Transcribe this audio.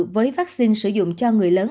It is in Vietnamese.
với vaccine sử dụng cho người lớn